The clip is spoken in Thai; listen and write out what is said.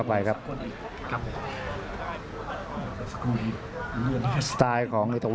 อัศวินาศาสตร์